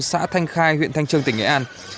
xã thanh khai huyện thanh trương tỉnh nghệ an